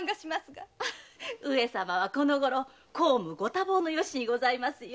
上様はこのごろ公務ご多忙の由にございますよ。